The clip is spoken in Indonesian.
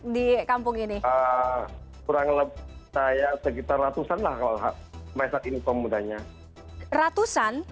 dari kampung ini a kurang lebih saya sekitar ratusan lah kalau hak maestas itu mudahnya ratusan